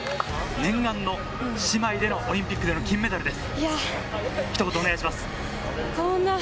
念願の姉妹でのオリンピックでの金メダルです。